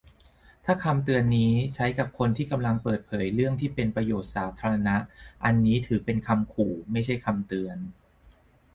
ถ้าคำเตือนนี้ใช้กับคนที่กำลังเปิดเผยเรื่องที่เป็นประโยชน์สาธารณะ อันนี้ถือเป็นคำขู่ ไม่ใช่คำเตือน